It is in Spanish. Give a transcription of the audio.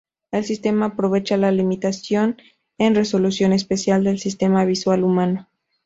El sistema aprovecha la limitación en resolución espacial del sistema visual humano.